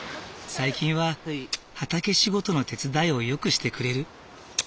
最近は畑仕事の手伝いをよくしてくれる。